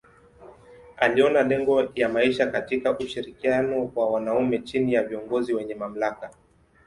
Aliona lengo ya maisha katika ushirikiano wa wanaume chini ya viongozi wenye mamlaka.